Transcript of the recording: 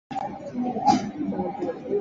木登城堡的历史始于弗罗里斯五世。